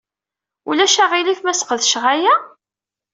Ulac aɣilif ma sqedceɣ aya?